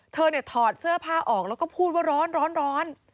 เธอเนี่ยถอดเสื้อผ้าออกแล้วก็พูดว่าร้อน